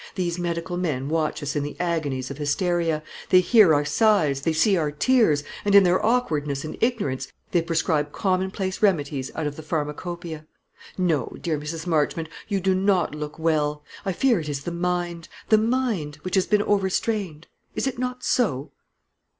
These medical men watch us in the agonies of hysteria; they hear our sighs, they see our tears, and in their awkwardness and ignorance they prescribe commonplace remedies out of the pharmacopoeia. No, dear Mrs. Marchmont, you do not look well. I fear it is the mind, the mind, which has been over strained. Is it not so?"